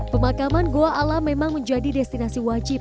pemakaman goa alam memang menjadi destinasi wajib